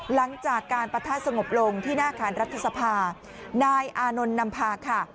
หลังจากการปะทะสงบลงที่หน้าขานรัฐสภานายอานนท์นำพาค่ะ